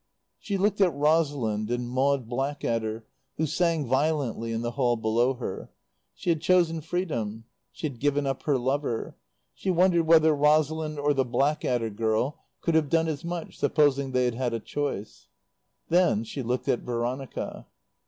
She looked at Rosalind and Maud Blackadder who sang violently in the hall below her. She had chosen freedom. She had given up her lover. She wondered whether Rosalind or the Blackadder girl could have done as much, supposing they had had a choice? Then she looked at Veronica.